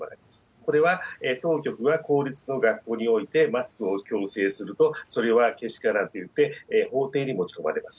これは当局は公立の学校においてマスクを強制すると、それはけしからんと言って、法廷に持ち込まれます。